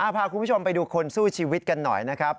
พาคุณผู้ชมไปดูคนสู้ชีวิตกันหน่อยนะครับ